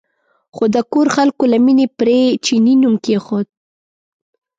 خو د کور خلکو له مینې پرې چیني نوم کېښود.